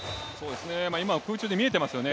今、空中で見えてますよね